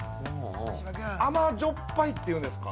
甘じょっぱいっていうんですか。